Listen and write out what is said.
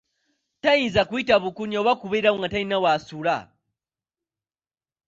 Tayinza kuyita bukunya oba okubeerawo nga talina w'asula.